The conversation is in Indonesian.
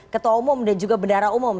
ketua umum dan juga bendara umum